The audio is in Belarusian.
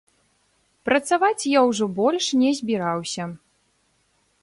Працаваць я ўжо больш не збіраўся.